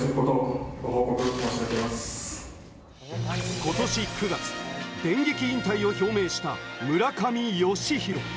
今年９月、電撃引退を表明した村上義弘。